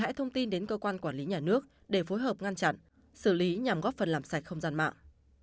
ý nhằm góp phần làm sạch không gian mạng